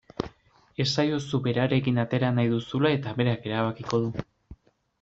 Esaiozu berarekin atera nahi duzula eta berak erabakiko du.